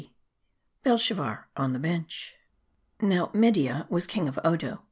BELSHAZZAR ON THE BENCH. Now, Media was king of Odo.